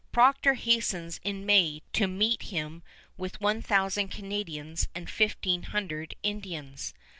Procter hastens in May to meet him with one thousand Canadians and fifteen hundred Indians.